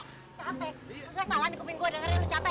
enggak salah nih kumil gua dengerin lu capek